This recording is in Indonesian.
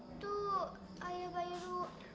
itu ayah bayaru